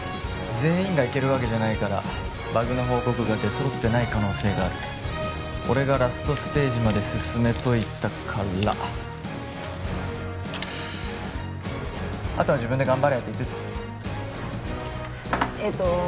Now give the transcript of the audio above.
全員が行けるわけじゃないからバグの報告が出揃ってない可能性がある俺がラストステージまで進めといたからあとは自分で頑張れって言っといてえっと